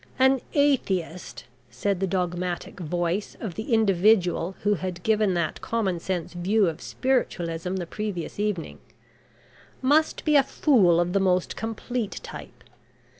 "An atheist," said the dogmatic voice of the individual who had given that common sense view of spiritualism the previous evening, "must be a fool of the most complete type.